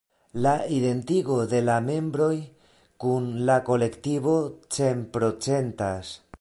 La identigo de la membroj kun la kolektivo cent-procentas.